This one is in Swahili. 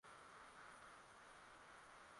Alijaribu lakini alikataa.